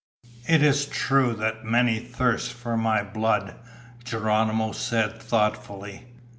"It is true that many thirst for my blood," Geronimo said thoughtfully.